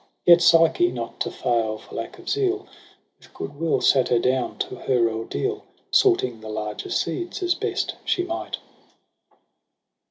Yet Psyche, not to fail for lack of zeal, With good will sat her down to her ordeal. Sorting the larger seeds as best she might.